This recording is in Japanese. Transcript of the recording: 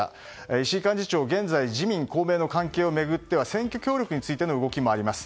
石井幹事長、現在自民・公明の関係を巡っては選挙協力についての動きもあります。